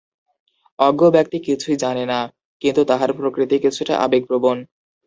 অজ্ঞ ব্যক্তি কিছুই জানে না, কিন্তু তাহার প্রকৃতি কিছুটা আবেগপ্রবণ।